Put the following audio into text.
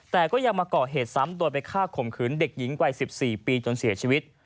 แต่ก็ยังมาก่อเหตุซ้ำโดยไปฆ่าข่มขืนเด็กหญิงวัย๑๔ปีจนเสียชีวิต